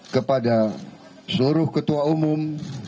kepada seluruh ketua umum